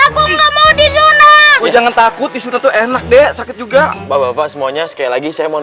aku enggak mau disuruh jangan takut itu enak dek sakit juga bapak semuanya sekali lagi saya mohon